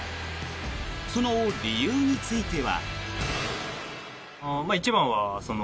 その理由については。